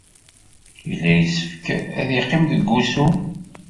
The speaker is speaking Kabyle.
Yella yessefk ad yeqqim deg wusu.